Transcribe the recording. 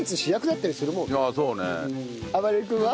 あばれる君は？